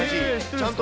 ちゃんと。